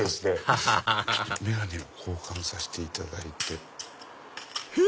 アハハハ眼鏡を交換させていただいて。